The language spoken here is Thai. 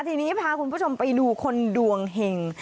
ทีนี้พาคุณผู้ชมไปดูคนดวงเห็ง